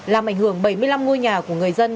làm ảnh hưởng bảy mươi năm ngôi nhà của người dân